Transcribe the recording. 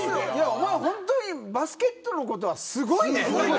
おまえ本当にバスケットのことはすごいね。